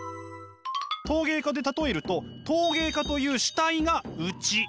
陶芸家で例えると陶芸家という主体が内。